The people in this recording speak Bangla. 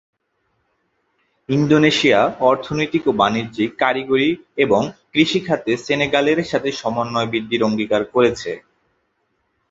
ইন্দোনেশিয়া, অর্থনৈতিক ও বাণিজ্যিক, কারিগরি এবং কৃষি খাতে সেনেগালের সাথে সমন্বয় বৃদ্ধির অঙ্গীকার করেছে।